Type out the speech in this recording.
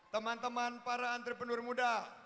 teman teman para entrepreneur muda